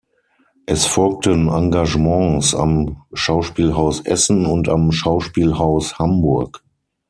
Es folgten Engagements am Schauspielhaus Essen und am Schauspielhaus Hamburg.